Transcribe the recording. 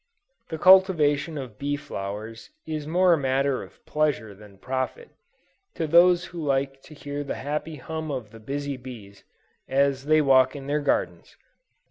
The cultivation of bee flowers is more a matter of pleasure than profit, to those who like to hear the happy hum of the busy bees, as they walk in their gardens.